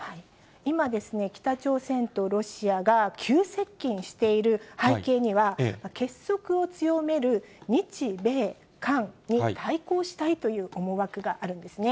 今ですね、北朝鮮とロシアが急接近している背景には、結束を強める日米韓に対抗したいという思惑があるんですね。